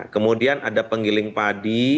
kemudian ada pengiling padi